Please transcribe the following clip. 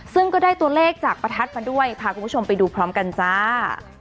ซึ่งก็ได้ตัวเลขจากประทัดมาด้วยพาคุณผู้ชมไปดูพร้อมกันจ้า